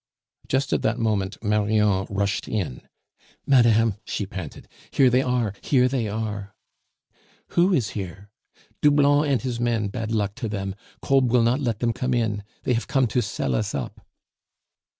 Just at that moment Marion rushed in. "Madame," she panted, "here they are! Here they are!" "Who is here?" "Doublon and his men, bad luck to them! Kolb will not let them come in; they have come to sell us up."